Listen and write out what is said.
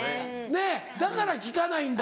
ねっだから聞かないんだ。